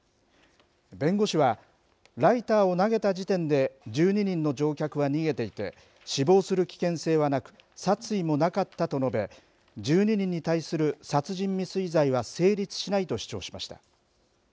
弁護士は、ライターを投げた時点で１２人の乗客は逃げていて、死亡する危険性はなく、殺意もなかったと述べ、１２人に対する殺人未遂罪は成立しないと主張しました。